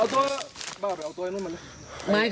ไอ้เซอร์แดงเนี่ย